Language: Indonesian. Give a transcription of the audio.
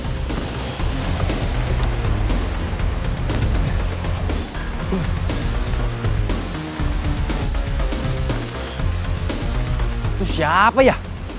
itu siapa ya